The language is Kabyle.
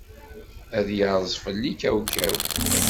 Ad yerẓ fell-i kawkaw.